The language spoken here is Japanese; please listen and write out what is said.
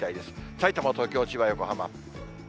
さいたま、東京、千葉、横浜。